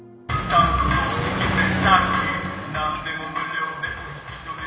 何でも無料でお引き取り！」